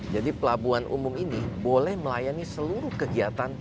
jadi pelabuhan umum ini boleh melayani seluruh kegiatan pelabuhan umum